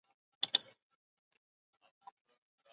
مذهبي حکومتونه قوانين څنګه تصويبوي؟